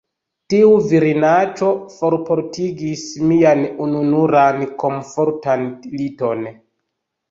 Tiu virinaĉo forportigis mian ununuran komfortan liton.